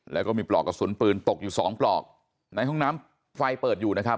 แล้วก็มีปลอกกระสุนปืนตกอยู่สองปลอกในห้องน้ำไฟเปิดอยู่นะครับ